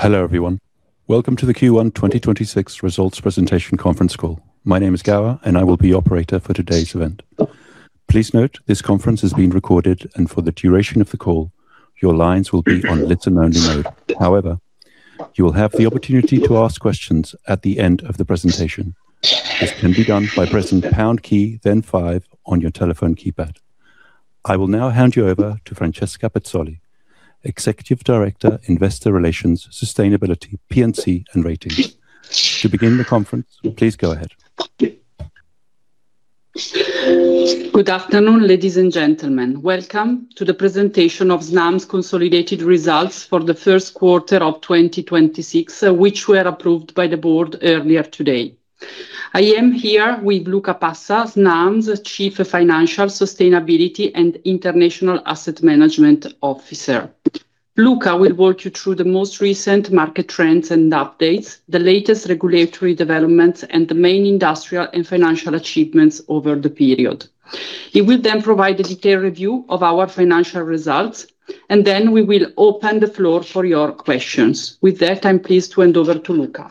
Hello, everyone. Welcome to the Q1 2026 results presentation conference call. My name is Gawa, and I will be operator for today's event. Please note, this conference is being recorded, and for the duration of the call, your lines will be on listen-only mode. However, you will have the opportunity to ask questions at the end of the presentation. This can be done by pressing pound key, then five on your telephone keypad. I will now hand you over to Francesca Pezzoli, Executive Director, Investor Relations, Sustainability, P&C, and Ratings. To begin the conference, please go ahead. Good afternoon, ladies and gentlemen. Welcome to the presentation of Snam's consolidated results for the first quarter of 2026, which were approved by the board earlier today. I am here with Luca Passa, Snam's Chief of Financial Sustainability and International Asset Management Officer. Luca will walk you through the most recent market trends and updates, the latest regulatory developments, and the main industrial and financial achievements over the period. He will then provide a detailed review of our financial results, and then we will open the floor for your questions. With that, I'm pleased to hand over to Luca.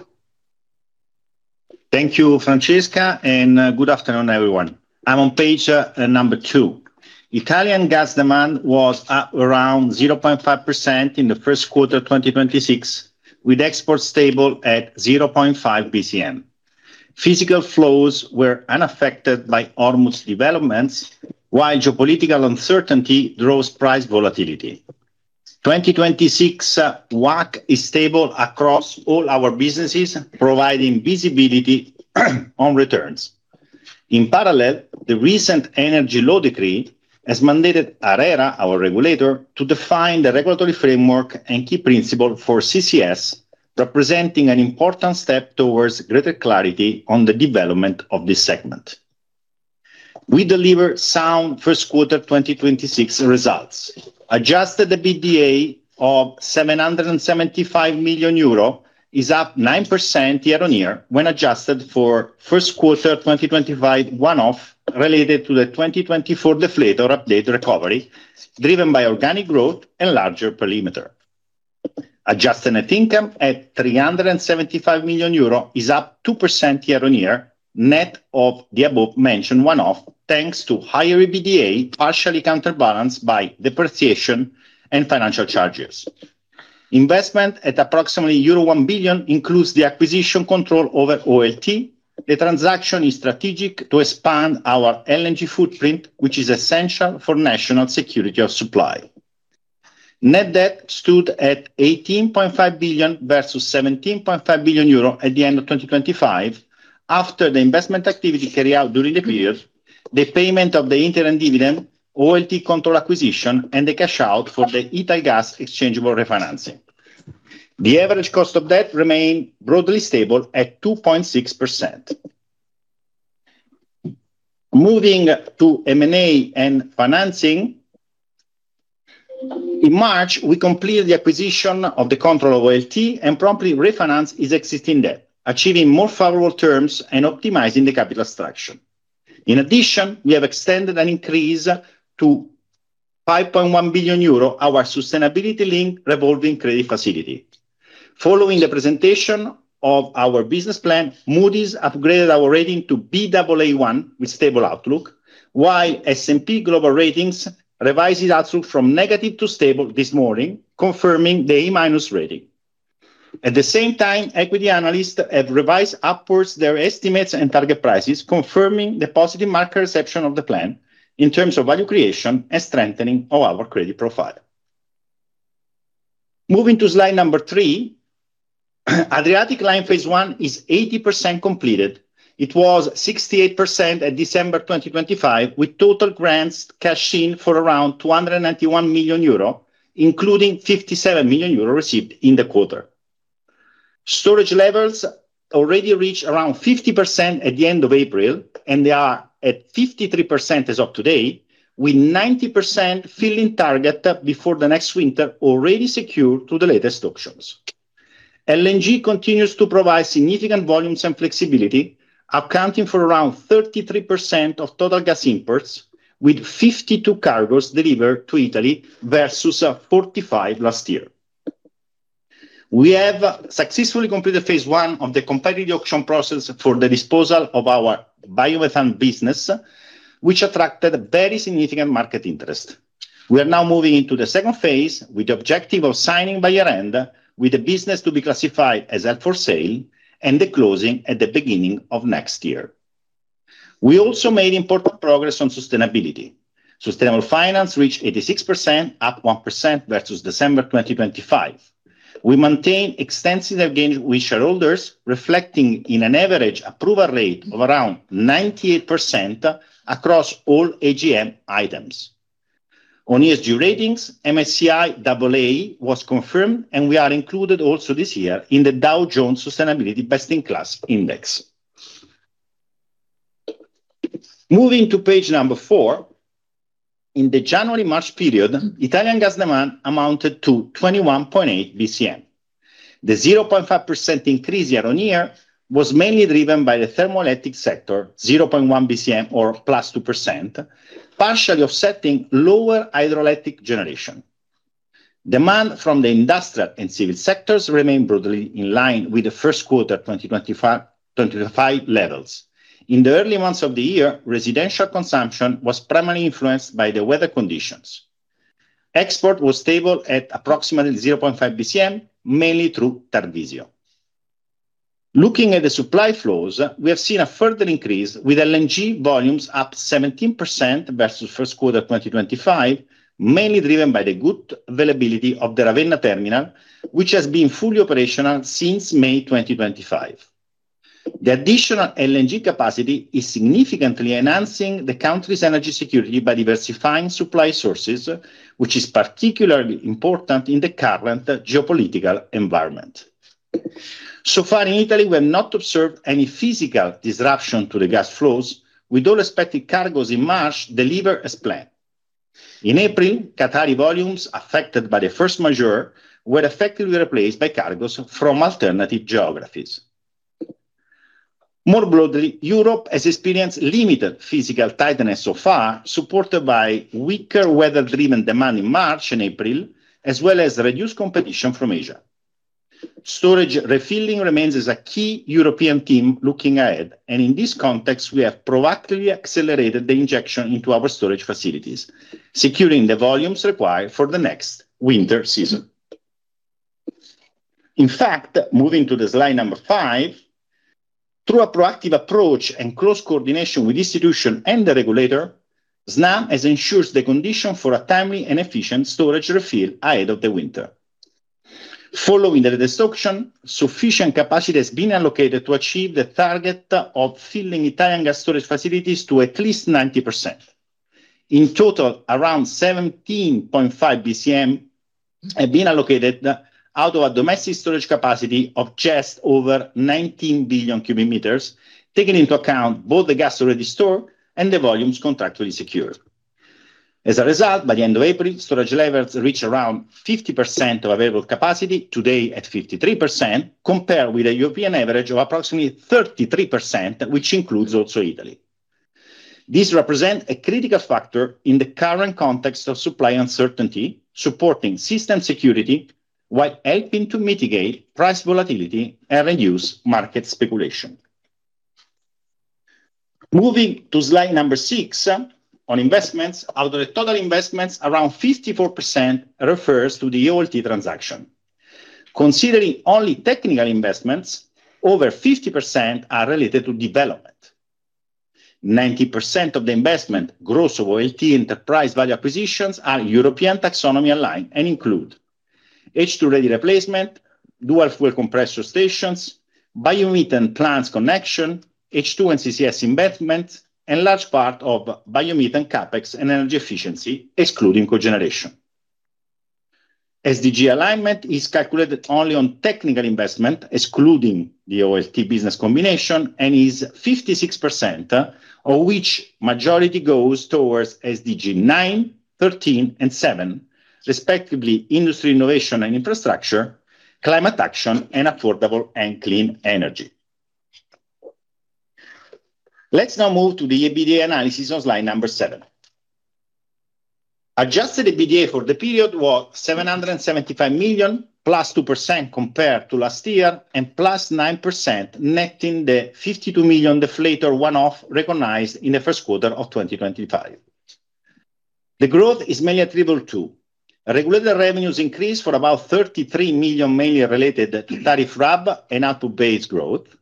Thank you, Francesca, good afternoon, everyone. I'm on page number two. Italian gas demand was up around 0.5% in the first quarter 2026, with exports stable at 0.5 bcm. Physical flows were unaffected by Hormuz developments, while geopolitical uncertainty drove price volatility. 2026 WACC is stable across all our businesses, providing visibility on returns. In parallel, the recent Energy Law Decree has mandated ARERA, our regulator, to define the regulatory framework and key principle for CCS, representing an important step towards greater clarity on the development of this segment. We deliver sound first quarter 2026 results. Adjusted EBITDA of 775 million euro is up 9% year-on-year when adjusted for first quarter 2025 one-off related to the 2024 deflator update recovery, driven by organic growth and larger perimeter. Adjusted net income at 375 million euro is up 2% year-on-year, net of the above-mentioned one-off, thanks to higher EBITDA, partially counterbalanced by depreciation and financial charges. Investment at approximately euro 1 billion includes the acquisition control over OLT. The transaction is strategic to expand our LNG footprint, which is essential for national security of supply. Net debt stood at 18.5 billion versus 17.5 billion euro at the end of 2025 after the investment activity carry out during the period, the payment of the interim dividend, OLT control acquisition, and the cash out for the Italgas exchangeable refinancing. The average cost of debt remained broadly stable at 2.6%. Moving to M&A and financing, in March, we completed the acquisition of the control of OLT and promptly refinanced its existing debt, achieving more favorable terms and optimizing the capital structure. In addition, we have extended an increase to 5.1 billion euro, our sustainability-linked revolving credit facility. Following the presentation of our business plan, Moody's upgraded our rating to Baa1 with stable outlook, while S&P Global Ratings revised its outlook from negative to stable this morning, confirming the A- rating. At the same time, equity analysts have revised upwards their estimates and target prices, confirming the positive market reception of the plan in terms of value creation and strengthening of our credit profile. Moving to slide number three, Adriatic Line Phase 1 is 80% completed. It was 68% at December 2025, with total grants cash in for around 291 million euro, including 57 million euro received in the quarter. Storage levels already reached around 50% at the end of April, and they are at 53% as of today, with 90% filling target before the next winter already secured to the latest auctions. LNG continues to provide significant volumes and flexibility, accounting for around 33% of total gas imports, with 52 cargos delivered to Italy versus 45 last year. We have successfully completed Phase 1 of the competitive auction process for the disposal of our biomethane business, which attracted very significant market interest. We are now moving into the second phase with the objective of signing by year-end, with the business to be classified as held for sale and the closing at the beginning of next year. We also made important progress on sustainability. Sustainable finance reached 86%, up 1% versus December 2025. We maintain extensive engagement with shareholders, reflecting in an average approval rate of around 98% across all AGM items. On ESG ratings, MSCI AA was confirmed, and we are included also this year in the Dow Jones Best in Class Index. Moving to page number four. In the January-March period, Italian gas demand amounted to 21.8 bcm. The 0.5% increase year-on-year was mainly driven by the thermal electric sector, 0.1 bcm or +2%, partially offsetting lower hydroelectric generation. Demand from the industrial and civil sectors remain broadly in line with the first quarter 2025 levels. In the early months of the year, residential consumption was primarily influenced by the weather conditions. Export was stable at approximately 0.5 bcm, mainly through Tarvisio. Looking at the supply flows, we have seen a further increase with LNG volumes up 17% versus first quarter 2025, mainly driven by the good availability of the Ravenna FSRU, which has been fully operational since May 2025. The additional LNG capacity is significantly enhancing the country's energy security by diversifying supply sources, which is particularly important in the current geopolitical environment. Far in Italy, we have not observed any physical disruption to the gas flows with all expected cargoes in March delivered as planned. In April, Qatari volumes affected by the [first major] were effectively replaced by cargoes from alternative geographies. Europe has experienced limited physical tightness so far, supported by weaker weather-driven demand in March and April, as well as reduced competition from Asia. Storage refilling remains as a key European theme looking ahead, in this context, we have proactively accelerated the injection into our storage facilities, securing the volumes required for the next winter season. Moving to the slide number five, through a proactive approach and close coordination with institution and the regulator, Snam has ensured the condition for a timely and efficient storage refill ahead of the winter. Following the destruction, sufficient capacity has been allocated to achieve the target of filling Italian gas storage facilities to at least 90%. In total, around 17.5 bcm have been allocated out of a domestic storage capacity of just over 19 billion cubic meters, taking into account both the gas already stored and the volumes contractually secured. As a result, by the end of April, storage levels reach around 50% of available capacity, today at 53%, compared with a European average of approximately 33%, which includes also Italy. This represent a critical factor in the current context of supply uncertainty, supporting system security while helping to mitigate price volatility and reduce market speculation. Moving to slide number six on investments. Out of the total investments, around 54% refers to the OLT transaction. Considering only technical investments, over 50% are related to development. 90% of the investment gross of OLT enterprise value acquisitions are European taxonomy aligned and include H2-ready replacement, dual-fuel compressor stations, biomethane plants connection, H2 and CCS investment, and large part of biomethane CapEx and energy efficiency, excluding cogeneration. SDG alignment is calculated only on technical investment, excluding the OLT business combination, and is 56%, of which majority goes towards SDG 9, 13, and 7, respectively, industry innovation and infrastructure, climate action, and affordable and clean energy. Let's now move to the EBITDA analysis on slide number seven. Adjusted EBITDA for the period was 775 million, +2% compared to last year, and +9%, netting the 52 million deflator one-off recognized in the first quarter of 2025. The growth is mainly attributable to regulator revenues increase for about 33 million, mainly related to tariff RAB and output-based growth.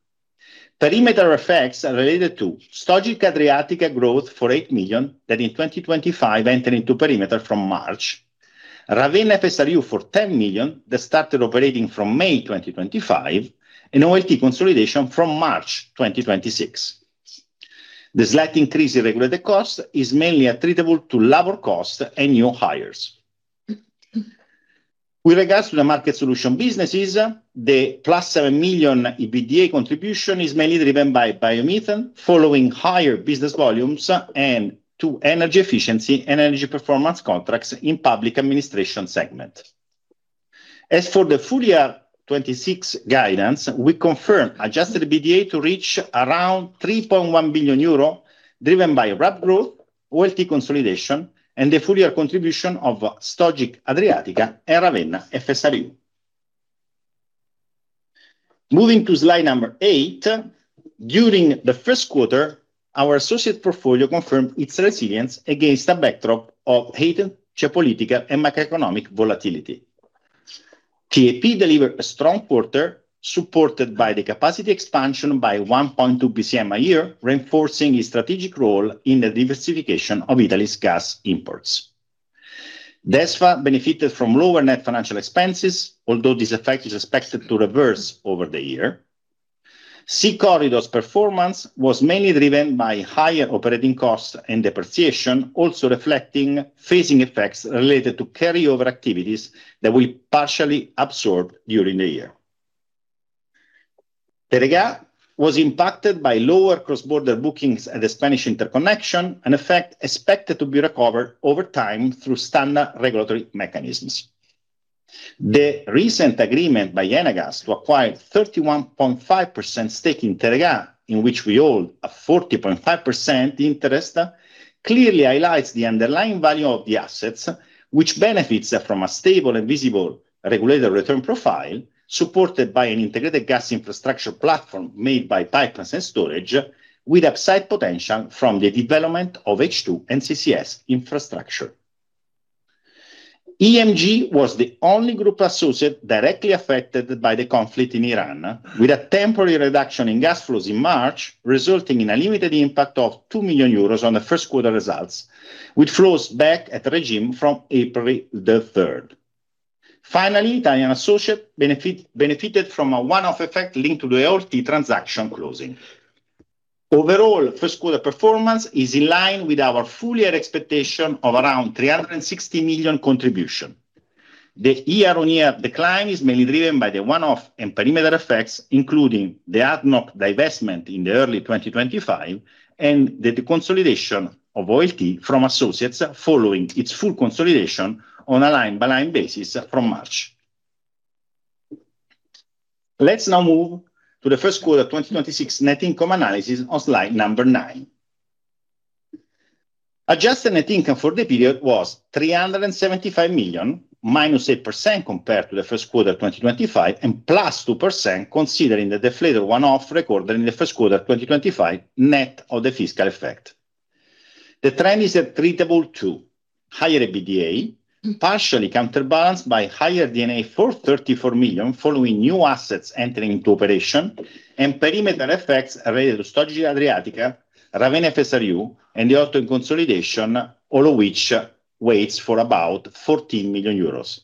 Perimeter effects are related to Stogit Adriatica growth for 8 million that in 2025 enter into perimeter from March, Ravenna FSRU for 10 million that started operating from May 2025, and OLT consolidation from March 2026. The slight increase in regulatory cost is mainly attributable to labor cost and new hires. With regards to the market solution businesses, the +7 million EBITDA contribution is mainly driven by biomethane following higher business volumes and to energy efficiency and energy performance contracts in public administration segment. As for the full year 2026 guidance, we confirm adjusted EBITDA to reach around 3.1 billion euro, driven by RAB growth, OLT consolidation, and the full year contribution of Stogit Adriatica and Ravenna FSRU. Moving to slide number eight, during the first quarter, our associate portfolio confirmed its resilience against a backdrop of heightened geopolitical and macroeconomic volatility. TAP delivered a strong quarter, supported by the capacity expansion by 1.2 bcm a year, reinforcing its strategic role in the diversification of Italy's gas imports. DESFA benefited from lower net financial expenses, although this effect is expected to reverse over the year. SeaCorridor's performance was mainly driven by higher operating costs and depreciation, also reflecting phasing effects related to carryover activities that will partially absorb during the year. Teréga was impacted by lower cross-border bookings at the Spanish interconnection, an effect expected to be recovered over time through standard regulatory mechanisms. The recent agreement by Enagás to acquire 31.5% stake in Teréga, in which we hold a 40.5% interest, clearly highlights the underlying value of the assets, which benefits from a stable and visible regulator return profile, supported by an integrated gas infrastructure platform made by pipelines and storage with upside potential from the development of H2 and CCS infrastructure. EMG was the only group associate directly affected by the conflict in Iran, with a temporary reduction in gas flows in March, resulting in a limited impact of 2 million euros on the first quarter results, with flows back at regime from April 3rd. Finally, Italian associate benefited from a one-off effect linked to the OLT transaction closing. Overall, first quarter performance is in line with our full year expectation of around 360 million contribution. The year-on-year decline is mainly driven by the one-off and perimeter effects, including the ADNOC divestment in the early 2025, and the consolidation of OLT from associates following its full consolidation on a line-by-line basis from March. Let's now move to the first quarter 2026 net income analysis on slide number nine. Adjusted net income for the period was 375 million, -8% compared to the first quarter 2025, and +2% considering the deflator one-off recorded in the first quarter 2025 net of the fiscal effect. The trend is attributable to higher EBITDA, partially counterbalanced by higher D&A 434 million following new assets entering into operation, and perimeter effects related to Stogit Adriatica, Ravenna FSRU, and the OLT consolidation, all of which waits for about 14 million euros.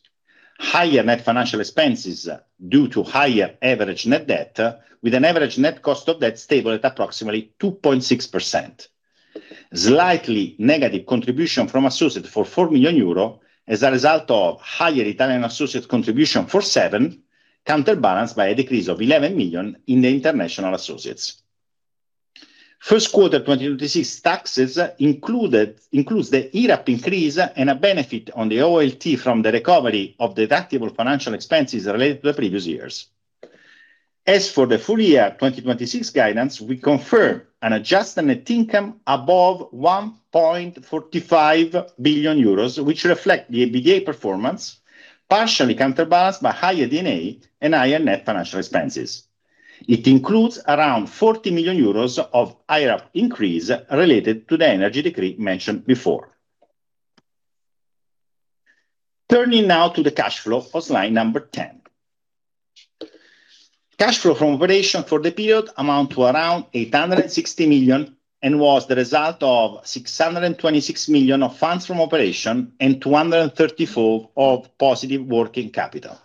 Higher net financial expenses due to higher average net debt, with an average net cost of debt stable at approximately 2.6%. Slightly negative contribution from associates for 4 million euro as a result of higher Italian associate contribution for 7 million, counterbalanced by a decrease of 11 million in the international associates. First quarter 2026 taxes includes the IRAP increase and a benefit on the OLT from the recovery of deductible financial expenses related to the previous years. As for the full year 2026 guidance, we confirm an adjusted net income above 1.45 billion euros, which reflect the EBITDA performance, partially counterbalanced by higher D&A and higher net financial expenses. It includes around 40 million euros of IRAP increase related to the Energy Decree mentioned before. Turning now to the cash flow for slide number 10. Cash flow from operation for the period amount to around 860 million, was the result of 626 million of funds from operation and 234 of positive working capital.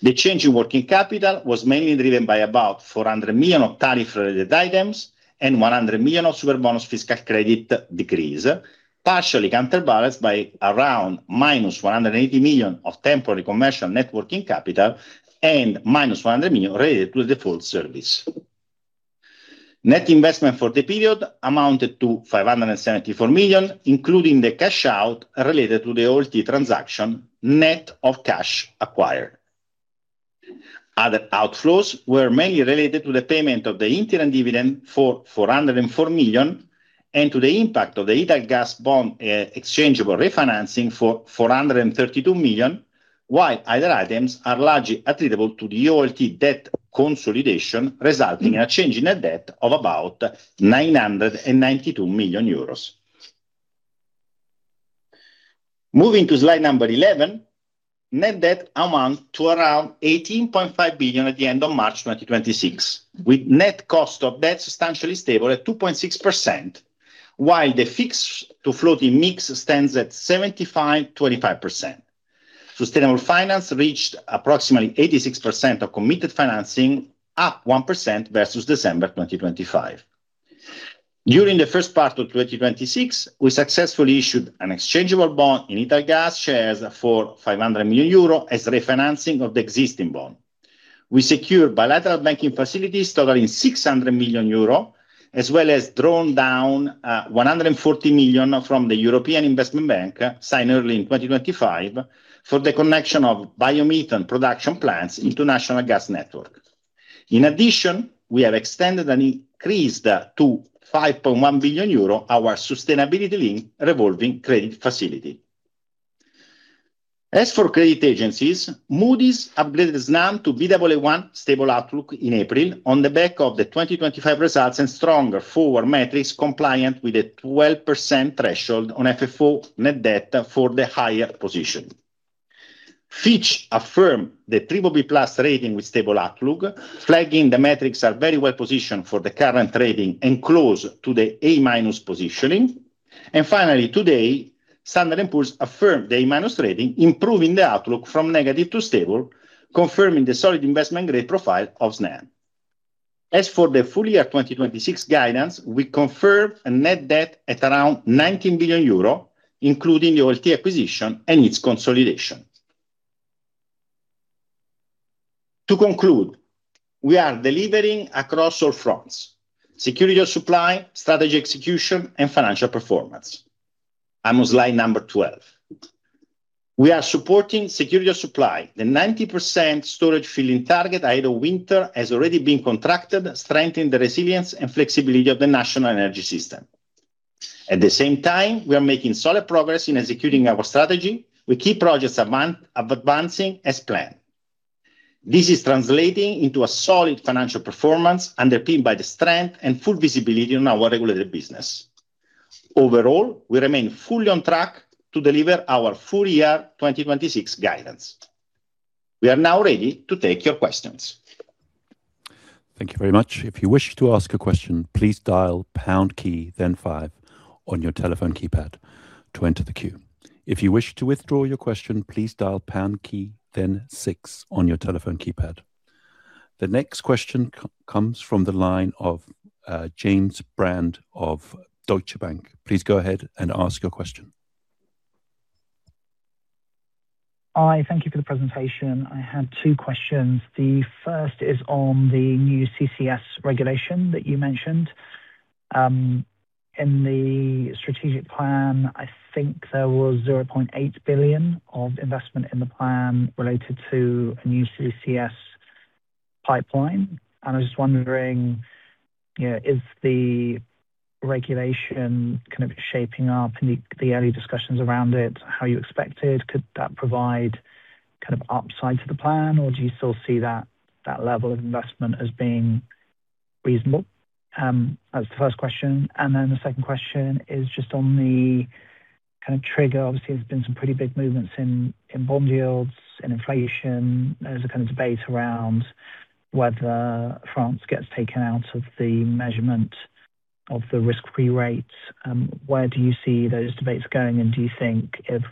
The change in working capital was mainly driven by about 400 million of tariff-related items and 100 million of Superbonus fiscal credit decrease, partially counterbalanced by around minus 180 million of temporary commercial net working capital and -100 million related to the default service. Net investment for the period amounted to 574 million, including the cash out related to the OLT transaction, net of cash acquired. Other outflows were mainly related to the payment of the interim dividend for 404 million, and to the impact of the Italgas bond exchangeable refinancing for 432 million, while other items are largely attributable to the OLT debt consolidation, resulting in a change in net debt of about 992 million euros. Moving to slide number 11, net debt amounted to around 18.5 billion at the end of March 2026, with net cost of debt substantially stable at 2.6%, while the fixed to floating mix stands at 75%/25%. Sustainable finance reached approximately 86% of committed financing, up 1% versus December 2025. During the first part of 2026, we successfully issued an exchangeable bond in Italgas shares for 500 million euro as refinancing of the existing bond. We secured bilateral banking facilities totaling 600 million euro, as well as drawn down 140 million from the European Investment Bank signed early in 2025 for the connection of biomethane production plants into national gas network. In addition, we have extended and increased to 5.1 billion euro our sustainability-linked revolving credit facility. As for credit agencies, Moody's upgraded Snam to Baa1 stable outlook in April on the back of the 2025 results and stronger forward metrics compliant with the 12% threshold on FFO net debt for the higher position. Fitch affirmed the BBB+ rating with stable outlook, flagging the metrics are very well positioned for the current rating and close to the A- positioning. Finally, today, Standard and Poor's affirmed the A- rating, improving the outlook from negative to stable, confirming the solid investment grade profile of Snam. As for the full year 2026 guidance, we confirmed a net debt at around 19 billion euro, including the OLT acquisition and its consolidation. To conclude, we are delivering across all fronts: security of supply, strategy execution, and financial performance. I'm on slide number 12. We are supporting security of supply. The 90% storage filling target ahead of winter has already been contracted, strengthening the resilience and flexibility of the national energy system. At the same time, we are making solid progress in executing our strategy, with key projects advancing as planned. This is translating into a solid financial performance underpinned by the strength and full visibility in our regulated business. Overall, we remain fully on track to deliver our full year 2026 guidance. We are now ready to take your questions. Thank you very much. If you wish to ask a question, please dial pound key, then five on your telephone keypad to enter the queue. If you wish to withdraw your question, please dial pound key, then six on your telephone keypad. The next question comes from the line of James Brand of Deutsche Bank. Please go ahead and ask your question. Hi. Thank you for the presentation. I had two questions. The first is on the new CCS regulation that you mentioned. In the strategic plan, I think there was 0.8 billion of investment in the plan related to a new CCS pipeline. I was just wondering, you know, is the regulation kind of shaping up in the early discussions around it how you expected? Could that provide kind of upside to the plan, or do you still see that level of investment as being reasonable? That was the first question. The second question is just on the kind of trigger. Obviously, there's been some pretty big movements in bond yields and inflation. There's a kind of debate around whether France gets taken out of the measurement of the risk-free rates. Where do you see those debates going, and do you think if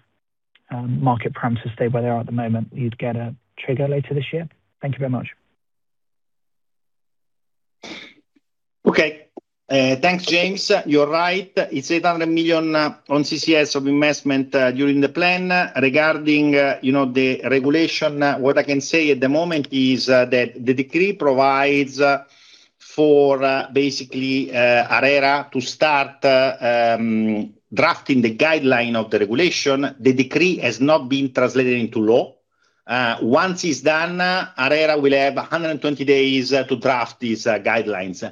market parameters stay where they are at the moment, you'd get a trigger later this year? Thank you very much. Thanks, James. You're right. It's 800 million on CCS of investment during the plan. Regarding, you know, the regulation, what I can say at the moment is that the Decree provides for basically ARERA to start drafting the guideline of the regulation. The Decree has not been translated into law. Once it's done, ARERA will have 120 days to draft these guidelines.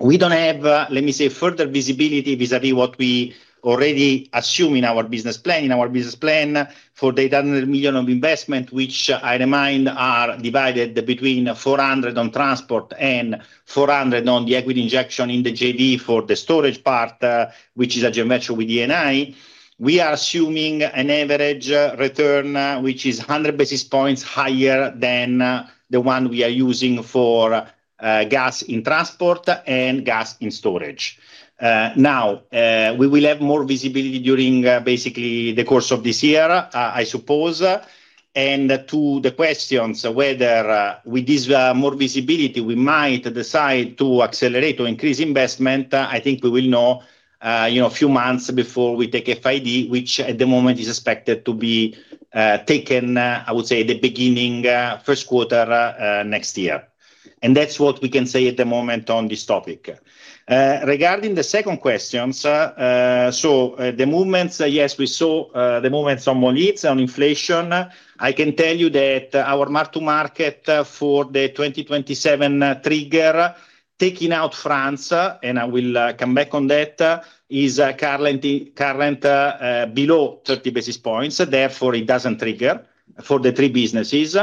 We don't have, let me say, further visibility vis-à-vis what we already assume in our business plan. In our business plan for the 800 million of investment, which I remind are divided between 400 on transport and 400 on the equity injection in the JV for the storage part, which is a joint venture with Eni. We are assuming an average return, which is 100 basis points higher than the one we are using for gas in transport and gas in storage. Now, we will have more visibility during basically the course of this year, I suppose. To the questions whether with this more visibility, we might decide to accelerate or increase investment, I think we will know, you know, a few months before we take FID, which at the moment is expected to be taken, I would say the beginning, first quarter, next year. That's what we can say at the moment on this topic. Regarding the second questions, the movements, yes, we saw the movements on bond yields, on inflation. I can tell you that our mark to market for the 2027 trigger taking out France, and I will come back on that, is currently below 30 basis points. Therefore, it doesn't trigger for the three businesses.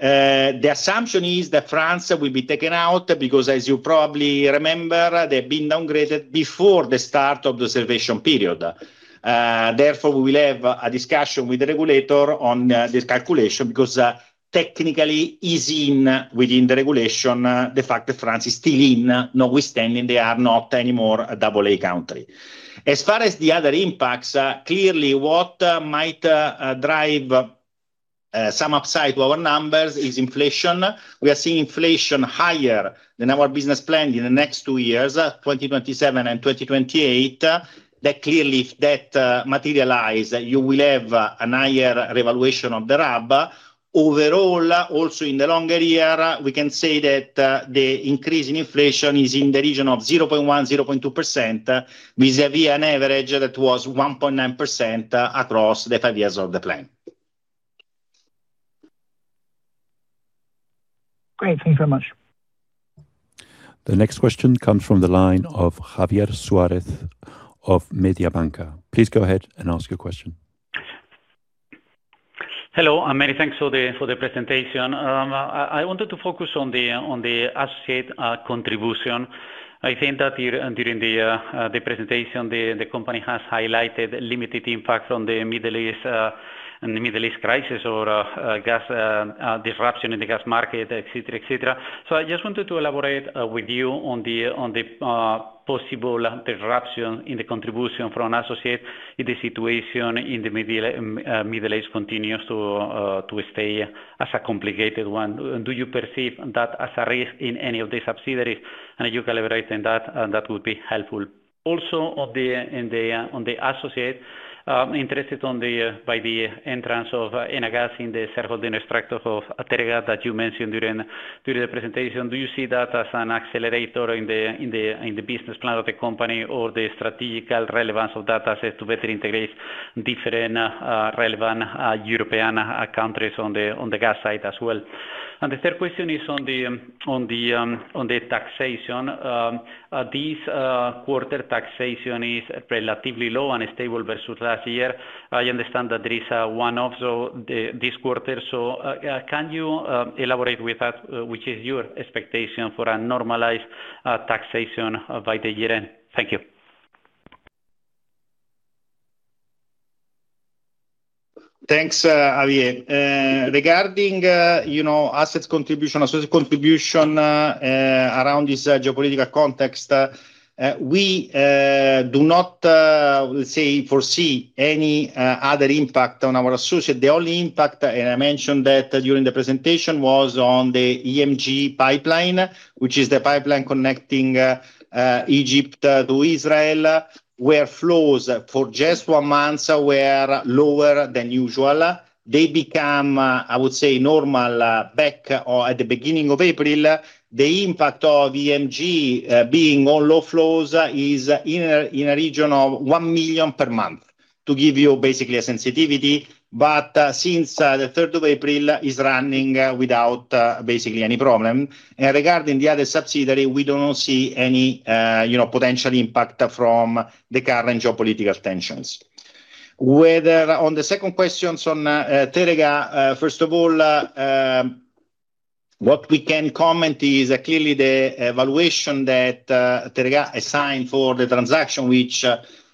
The assumption is that France will be taken out because, as you probably remember, they've been downgraded before the start of the observation period. Therefore, we will have a discussion with the regulator on this calculation because technically is in within the regulation, the fact that France is still in, notwithstanding they are not anymore a AA country. As far as the other impacts, clearly, what might drive some upside to our numbers is inflation. We are seeing inflation higher than our business plan in the next two years, 2027 and 2028. That clearly, if that materialize, you will have an higher revaluation of the RAB. Overall, also in the longer year, we can say that the increase in inflation is in the region of 0.1%, 0.2% vis-à-vis an average that was 1.9% across the five years of the plan. Great. Thank you very much. The next question comes from the line of Javier Suárez of Mediobanca. Please go ahead and ask your question. Hello, and many thanks for the presentation. I wanted to focus on the associate contribution. I think that here during the presentation, the company has highlighted limited impact on the Middle East crisis or gas disruption in the gas market, et cetera, et cetera. I just wanted to elaborate with you on the possible disruption in the contribution from associates if the situation in the Middle East continues to stay as a complicated one. Do you perceive that as a risk in any of the subsidiaries? You collaborating that would be helpful. Also, on the associate, interested on the by the entrance of Enagás in the shareholding structure of [Atergas] that you mentioned during the presentation. Do you see that as an accelerator in the business plan of the company or the strategical relevance of that asset to better integrate different relevant European countries on the gas side as well? The third question is on the taxation. This quarter taxation is relatively low and stable versus last year. I understand that there is one off, so this quarter. Can you elaborate with that, which is your expectation for a normalized taxation by the year-end? Thank you. Thanks, Javier. Regarding, you know, assets contribution, associate contribution, around this geopolitical context, we do not, let's say, foresee any other impact on our associate. The only impact, and I mentioned that during the presentation, was on the EMG pipeline, which is the pipeline connecting Egypt to Israel, where flows for just one month were lower than usual. They become, I would say normal, back or at the beginning of April. The impact of EMG, being on low flows is in a region of 1 million per month, to give you basically a sensitivity. But, since the April 3rd, is running without basically any problem. Regarding the other subsidiary, we do not see any, you know, potential impact from the current geopolitical tensions. On the second question on Terega, first of all, what we can comment is clearly the evaluation that Terega assigned for the transaction, which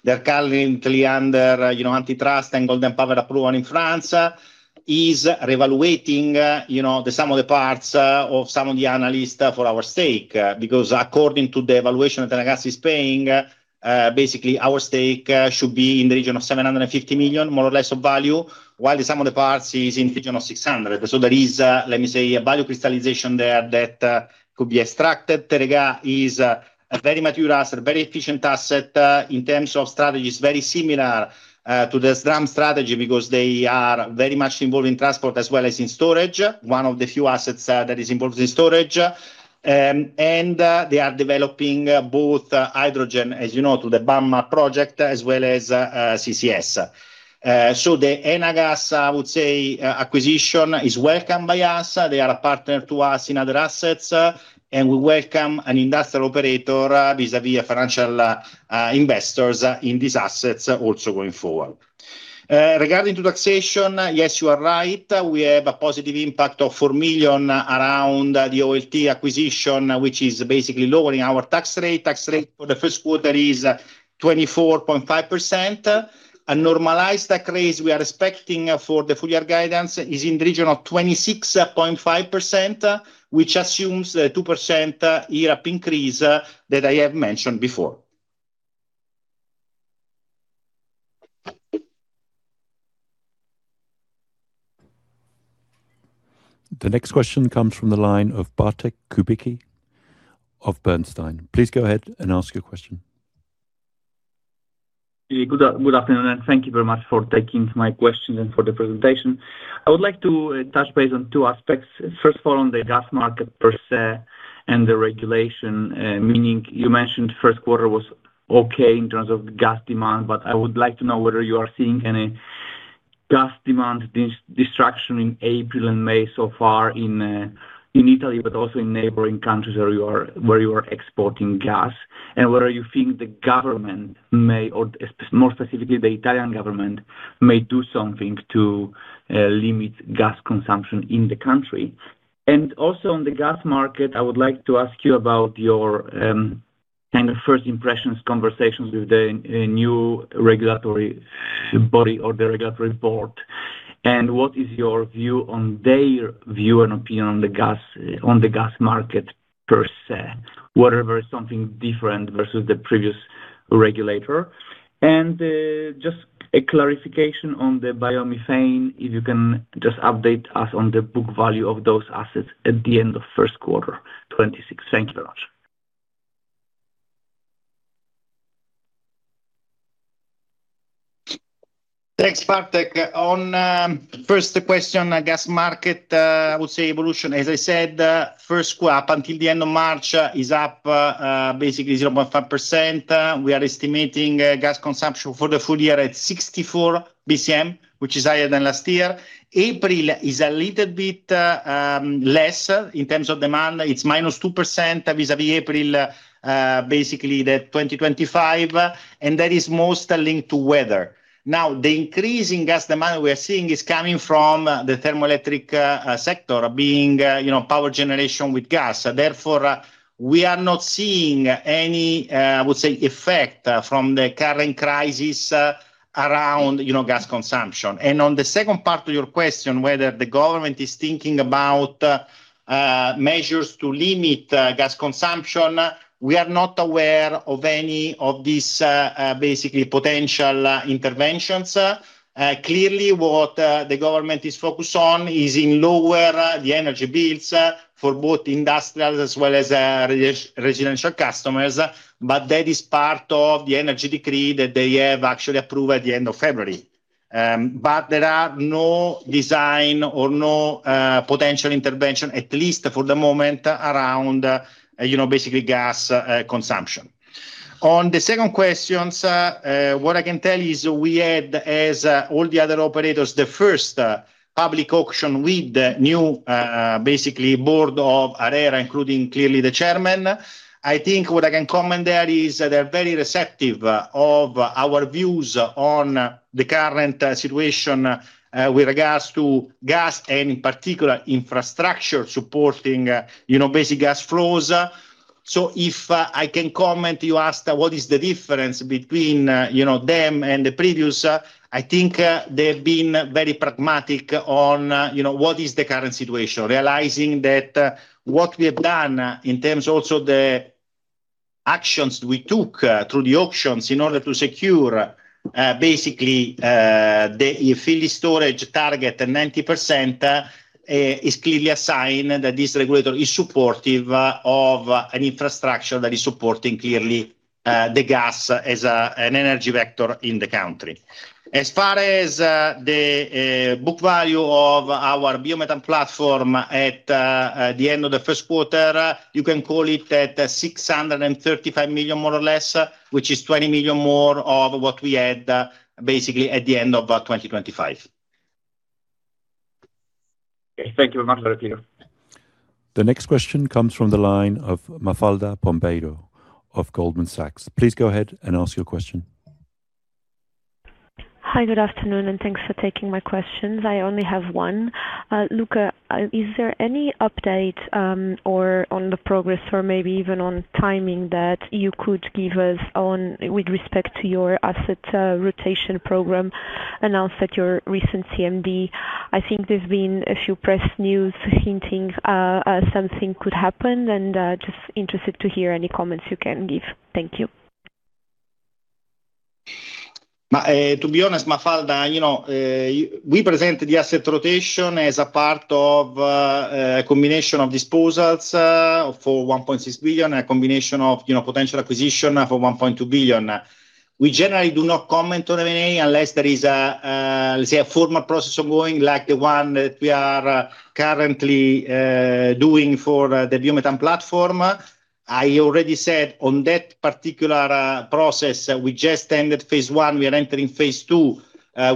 they're currently under, you know, antitrust and Golden Power approval in France, is reevaluating, you know, the sum of the parts of some of the analysts for our stake. According to the evaluation that Terega is paying, basically our stake should be in the region of 750 million, more or less, of value, while the sum of the parts is in the region of 600 million. There is, let me say, a value crystallization there that could be extracted. Teréga is a very mature asset, very efficient asset, in terms of strategies, very similar to the Snam strategy because they are very much involved in transport as well as in storage, one of the few assets that is involved in storage. They are developing both hydrogen, as you know, through the BarMar project as well as CCS. The Enagás, I would say, acquisition is welcomed by us. They are a partner to us in other assets. We welcome an industrial operator vis-a-vis financial investors in these assets also going forward. Regarding to taxation, yes, you are right. We have a positive impact of 4 million around the OLT acquisition, which is basically lowering our tax rate. Tax rate for the first quarter is 24.5%. A normalized tax rate we are expecting for the full year guidance is in the region of 26.5%, which assumes a 2% IRAP increase that I have mentioned before. The next question comes from the line of Bartek Kubicki of Bernstein. Please go ahead and ask your question. Good afternoon, thank you very much for taking my question and for the presentation. I would like to touch base on two aspects. First of all, on the gas market per se and the regulation, meaning you mentioned first quarter was okay in terms of gas demand, but I would like to know whether you are seeing any gas demand destruction in April and May so far in Italy, but also in neighboring countries where you are exporting gas. Whether you think the government may, or more specifically the Italian government, may do something to limit gas consumption in the country. Also on the gas market, I would like to ask you about your kind of first impressions, conversations with the new regulatory body or the regulatory board, and what is your view on their view and opinion on the gas, on the gas market per se? Whether there is something different versus the previous regulator? Just a clarification on the biomethane, if you can just update us on the book value of those assets at the end of first quarter 2026. Thank you very much. Thanks, Bartek. On first question, gas market, I would say evolution. As I said, first quarter up until the end of March is up basically 0.5%. We are estimating gas consumption for the full year at 64 bcm, which is higher than last year. April is a little bit less in terms of demand. It's -2% vis-a-vis April 2025, and that is mostly linked to weather. Now, the increase in gas demand we are seeing is coming from the thermoelectric sector being, you know, power generation with gas. Therefore, we are not seeing any, I would say effect, from the current crisis, around, you know, gas consumption. On the second part of your question, whether the government is thinking about measures to limit gas consumption, we are not aware of any of these, basically potential interventions. Clearly what the government is focused on is in lower the energy bills for both industrials as well as residential customers. That is part of the Energy Decree that they have actually approved at the end of February. There are no design or no potential intervention, at least for the moment, around, you know, basically gas consumption. On the second question, what I can tell is we had, as all the other operators, the first public auction with the new, basically board of ARERA, including clearly the chairman. I think what I can comment there is they're very receptive of our views on the current situation, with regards to gas and in particular infrastructure supporting, you know, basic gas flows. If I can comment, you asked what is the difference between, you know, them and the previous. I think, they've been very pragmatic on, you know, what is the current situation. Realizing that what we have done in terms also the actions we took, through the auctions in order to secure, basically, the yearly storage target 90%, is clearly a sign that this regulator is supportive of an infrastructure that is supporting clearly, the gas as an energy vector in the country. As far as the book value of our biomethane platform at the end of the first quarter, you can call it at 635 million more or less, which is 20 million more of what we had basically at the end of 2025. Okay. Thank you very much, Luca. The next question comes from the line of Mafalda Pombeiro of Goldman Sachs. Please go ahead and ask your question. Hi, good afternoon, and thanks for taking my questions. I only have one. Luca, is there any update on the progress or maybe even on timing that you could give us on with respect to your asset rotation program announced at your recent CMD? I think there's been a few press news hinting something could happen and just interested to hear any comments you can give. Thank you. to be honest, Mafalda, you know, we present the asset rotation as a part of a combination of disposals for 1.6 billion, a combination of, you know, potential acquisition for 1.2 billion. We generally do not comment on M&A unless there is a, let's say, a formal process ongoing like the one that we are currently doing for the biomethane platform. I already said on that particular process, we just ended Phase 1. We are entering Phase 2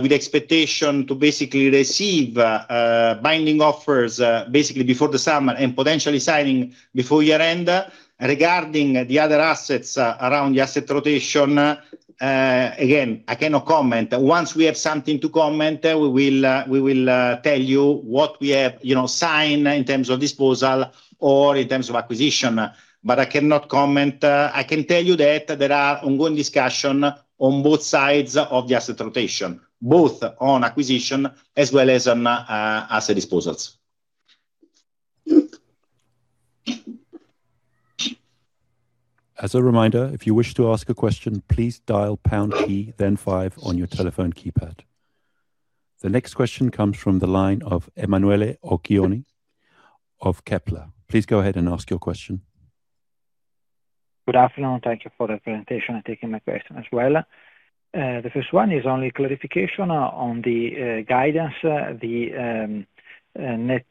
with expectation to basically receive binding offers basically before the summer and potentially signing before year-end. Regarding the other assets around the asset rotation, again, I cannot comment. Once we have something to comment, we will, we will tell you what we have, you know, signed in terms of disposal or in terms of acquisition. I cannot comment. I can tell you that there are ongoing discussions on both sides of the asset rotation, both on acquisition as well as on, asset disposals. As a reminder if you wish to ask a question please dial pound key then five on your telephone keypad. The next question comes from the line of Emanuele Oggioni of Kepler. Please go ahead and ask your question. Good afternoon. Thank you for the presentation and taking my question as well. The first one is only clarification on the guidance. The net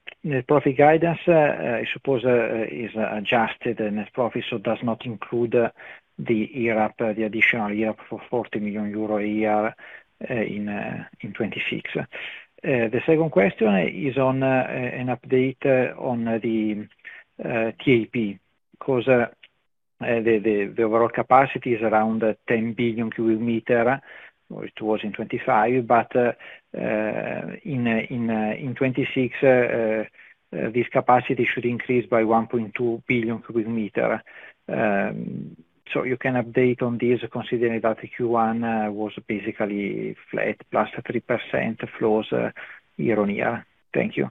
profit guidance, I suppose, is adjusted net profit, so does not include the IRAP, the additional IRAP for 40 million euro a year in 2026. The second question is on an update on the TAP because the overall capacity is around 10 bcm, or it was in 2025, but in 2026, this capacity should increase by 1.2 bcm. You can update on this considering that the Q1 was basically flat plus 3% flows year-on-year. Thank you.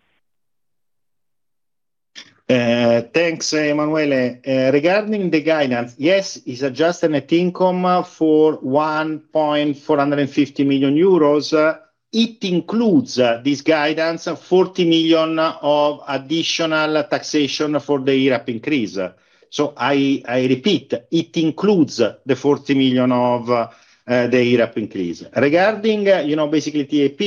Thanks, Emanuele. Regarding the guidance, yes, it's adjusted net income for 1,450 million euros. It includes this guidance, 40 million of additional taxation for the IRAP increase. I repeat, it includes the 40 million of the IRAP increase. Regarding TAP,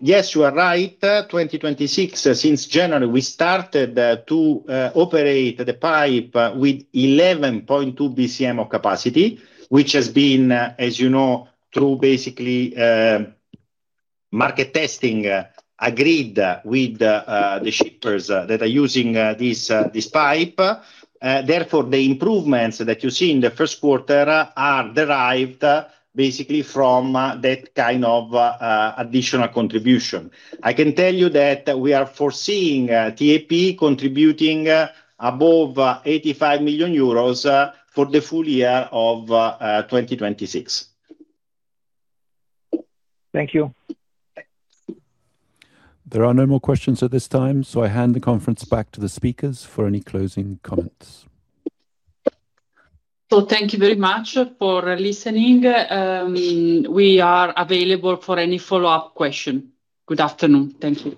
yes, you are right. 2026, since January, we started to operate the pipe with 11.2 bcm of capacity, which has been through market testing agreed with the shippers that are using this pipe. Therefore, the improvements that you see in the first quarter are derived from that kind of additional contribution. I can tell you that we are foreseeing TAP contributing above 85 million euros for the full year of 2026. Thank you. There are no more questions at this time, so I hand the conference back to the speakers for any closing comments. Thank you very much for listening. We are available for any follow-up question. Good afternoon. Thank you.